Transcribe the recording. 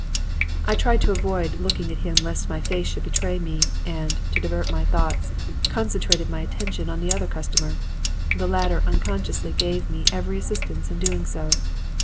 "I tried to avoid looking at him lest my face should betray me, and, to divert my thoughts, concentrated my attention on the other customer. The latter unconsciously gave me every assistance in doing so.